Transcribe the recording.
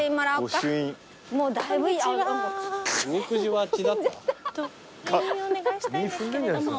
御朱印をお願いしたいんですけれども。